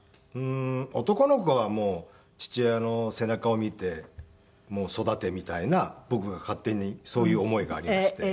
男の子はもう父親の背中を見て育てみたいな僕が勝手にそういう思いがありまして。